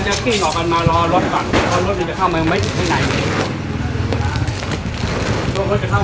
และที่เราต้องใช้เวลาในการปฏิบัติหน้าที่ระยะเวลาหนึ่งนะครับ